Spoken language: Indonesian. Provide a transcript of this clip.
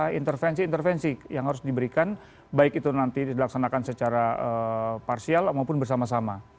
ada intervensi intervensi yang harus diberikan baik itu nanti dilaksanakan secara parsial maupun bersama sama